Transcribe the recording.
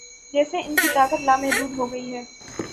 جیسے ان کی طاقت لامحدود ہو گئی ہے۔